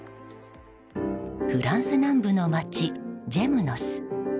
フランス南部の街ジェムノス。